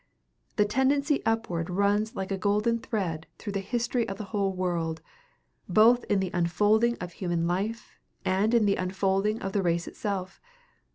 The tendency upward runs like a golden thread through the history of the whole world, both in the unfolding of human life and in the unfolding of the race itself.